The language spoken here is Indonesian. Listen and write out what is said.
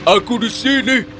aku di sini